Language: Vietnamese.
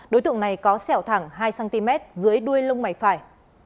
đối tượng này có sẹo thẳng hai cm dưới đuôi lông mày phải